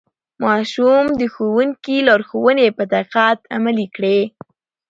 ماشوم د ښوونکي لارښوونې په دقت عملي کړې